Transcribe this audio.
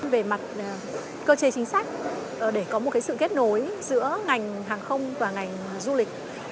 về mặt cơ chế chính sách để có một sự kết nối giữa ngành hàng không và ngành du lịch